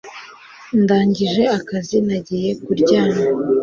Ndangije akazi nagiye kuryama